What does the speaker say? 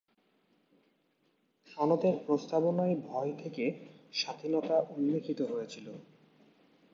সনদের প্রস্তাবনায় ভয় থেকে স্বাধীনতা উল্লেখিত হয়েছিল।